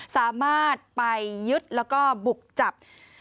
สามารถไปยึดแล้วก็บุกจับ